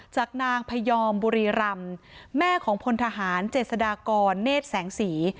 จากนางพยอมบุรีรำแม่ของพลทหารเจษฎากรเนธแสงสี